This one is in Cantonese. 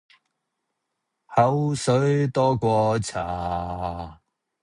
口水多過茶